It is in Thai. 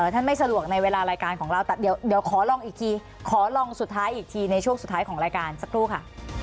ไม่สะดวกในเวลารายการของเราแต่เดี๋ยวขอลองอีกทีขอลองสุดท้ายอีกทีในช่วงสุดท้ายของรายการสักครู่ค่ะ